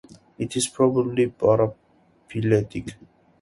It is probably paraphyletic.